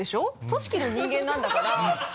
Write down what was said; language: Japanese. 組織の人間なんだから。